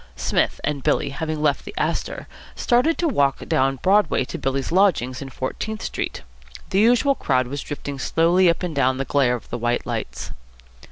Psmith and Billy, having left the Astor, started to walk down Broadway to Billy's lodgings in Fourteenth Street. The usual crowd was drifting slowly up and down in the glare of the white lights.